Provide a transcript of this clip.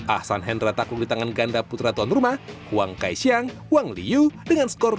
ahsan hendra takut ditangan ganda putra tuan rumah wang kai xiang wang liu dengan skor dua puluh satu sebelas dan dua puluh satu dua belas